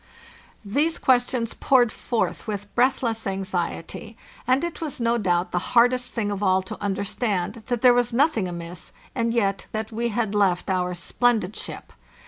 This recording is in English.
These questions poured forth with breathless anxiety, and it was no doubt the hardest thing of all to understand that there was nothing amiss, and yet that we had left our splendid ship.